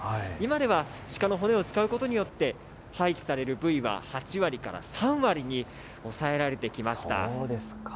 今では鹿の骨を使うことによって、廃棄される部位は８割から３割に抑えられてきました。